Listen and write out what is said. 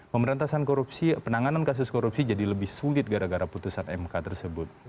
pemberantasan korupsi penanganan kasus korupsi jadi lebih sulit gara gara putusan mk tersebut